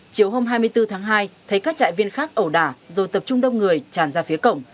chiều hôm hai mươi bốn tháng hai thấy các trại viên khác ẩu đả rồi tập trung đông người tràn ra phía cổng